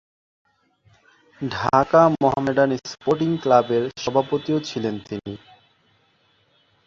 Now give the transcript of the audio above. Dhaka Mohammedan sporting ক্লাবের সভাপতিও ছিলেন তিনি।